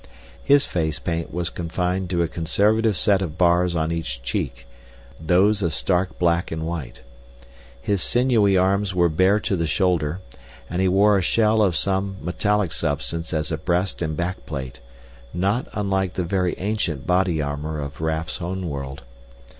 His face paint was confined to a conservative set of bars on each cheek, those a stark black and white. His sinewy arms were bare to the shoulder, and he wore a shell of some metallic substance as a breast and back plate, not unlike the very ancient body armor of Raf's own world.